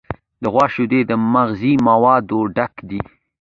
د غوا شیدې د مغذي موادو ډک دي.